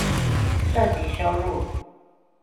涉及羞辱